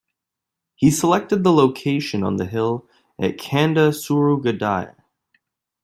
He selected the location on the hill at Kanda Surugadai.